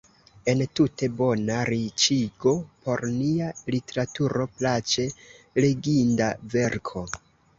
Entute: bona riĉigo por nia literaturo, plaĉe leginda verko.